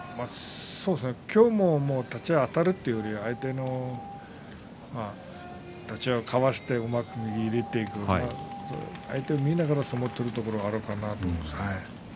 今日も立ち合いあたるというより相手の立ち合いをかわしてうまく右を入れて相手を見ながら相撲を取るところがあるかなと思います。